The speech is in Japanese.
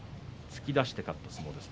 突き出して勝った相撲です